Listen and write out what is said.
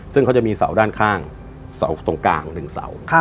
ซึ่งเขาจะมีเสาด้านข้างเสาตรงกลาง๑เสา